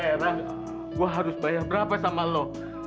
eh ren gua harus bayar berapa sama lo